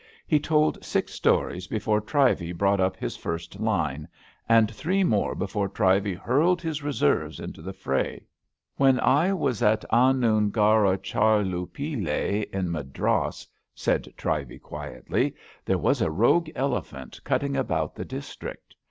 He told six stories before Trivey brought up his first line, and three more before Trivey hurled his reserves into the fray. When I was at Anungaracharlupillay in Ma dras," said Trivey quietly, ^* there was a rogue elephant cutting about the district.